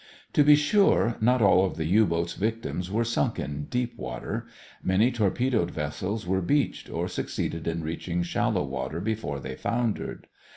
To be sure, not all of the U boat's victims were sunk in deep water. Many torpedoed vessels were beached or succeeded in reaching shallow water before they foundered.